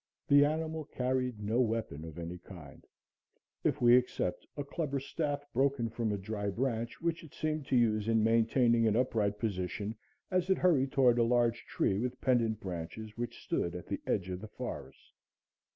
The animal carried no weapon of any kind, if we except a club or staff broken from a dry branch, which it seemed to use in maintaining an upright position as it hurried toward a large tree with pendent branches which stood at the edge of the forest.